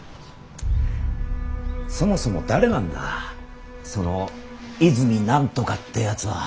そもそも誰なんだその泉何とかってやつは。